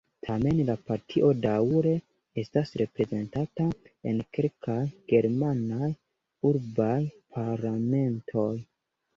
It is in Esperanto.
Tamen la partio daŭre estas reprezentata en kelkaj germanaj urbaj parlamentoj.